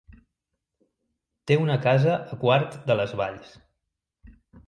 Té una casa a Quart de les Valls.